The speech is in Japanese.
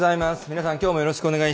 皆さん、きょうもよろしくお願い